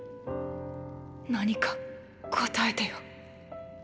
何か答えてよ。